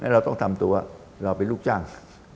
เราต้องทำตัวเราเป็นลูกจ้าง